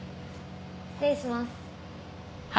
失礼します。